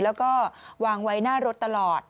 แล้วก็วางไว้หน้ารถตลอด